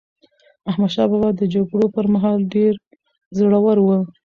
احمدشاه بابا د جګړو پر مهال ډېر زړور و.